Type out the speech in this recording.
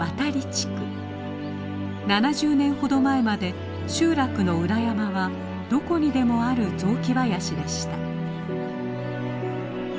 ７０年ほど前まで集落の裏山はどこにでもある雑木林でした。